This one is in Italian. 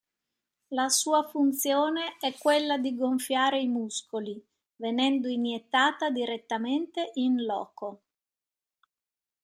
La sua funzione è quella di gonfiare i muscoli venendo iniettata direttamente "in loco".